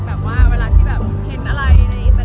ตัวเองเราเนอะ